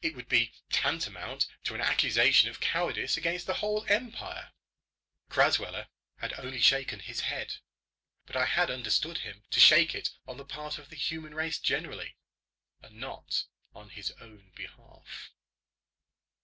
It would be tantamount to an accusation of cowardice against the whole empire." Crasweller had only shaken his head. But I had understood him to shake it on the part of the human race generally, and not on his own behalf.